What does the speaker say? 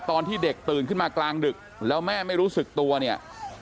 ตอนที่เด็กตื่นขึ้นมากลางดึกแล้วแม่ไม่รู้สึกตัวเนี่ย